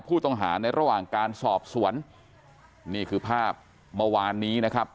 ผู้ต้องหาในระหว่างการสอบสวนนี่คือภาพเมื่อวานนี้นะครับ